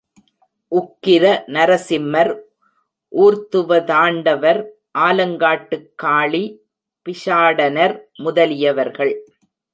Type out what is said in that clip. உக்கிர நரசிம்மர், ஊர்த்துவதாண்டவர், ஆலங்காட்டுக் காளி, பிக்ஷாடனர் முதலியவர்கள்.